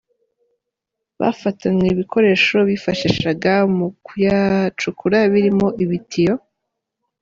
Bafatanywe ibikoresho bifashishaga mu kuyacukura birimo ibitiyo.